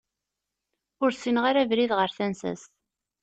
Ur ssineɣ ara abrid ɣer tansa-a.